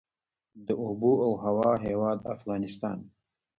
د اوبو او هوا هیواد افغانستان.